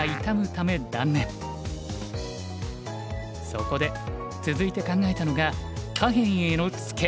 そこで続いて考えたのが下辺へのツケ。